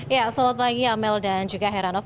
ya selamat pagi amel dan juga heranov